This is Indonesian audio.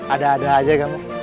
ada ada aja kamu